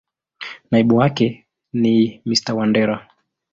Naibu wake ni Mr.Wandera.